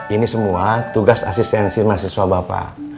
ini semua tugas asistensi mahasiswa bapak